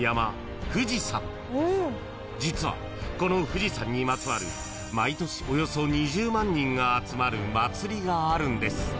［実はこの富士山にまつわる毎年およそ２０万人が集まる祭りがあるんです］